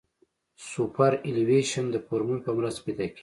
سوپرایلیویشن د فورمول په مرسته پیدا کیږي